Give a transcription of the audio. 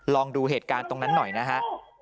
ลองดูเหตุการณ์ตรงนั้นหน่อยนะฮะ